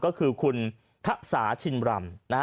ก็คือคุณทะสาชินรำ